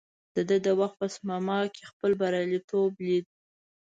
ده د وخت په سپما کې خپل برياليتوب ليد.